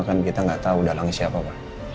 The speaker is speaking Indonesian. kan kita gak tau dalangnya siapa pak